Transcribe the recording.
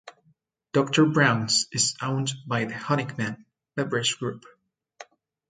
Doctor Brown's is owned by the Honickman Beverage Group.